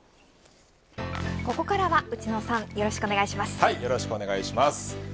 ここからは内野さんよろしくお願いします。